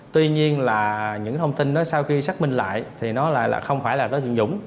tuy nhiên là những thông tin đó sau khi xác minh lại thì nó lại là không phải là đối tượng dũng